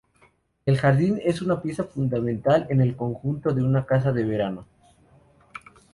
El jardín es una pieza fundamental en el conjunto de una casa de veraneo.